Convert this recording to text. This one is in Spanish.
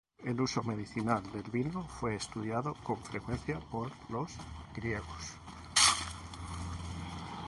El uso medicinal del vino fue estudiado con frecuencia por los griegos.